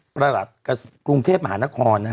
ประหลักกรุงเทพมหานคร